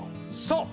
そう！